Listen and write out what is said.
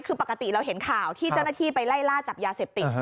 คือปกติเราเห็นข่าวที่เจ้าหน้าที่ไปไล่ล่าจับยาเสพติด